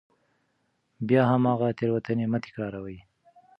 بیا هماغه تېروتنې مه تکراروئ.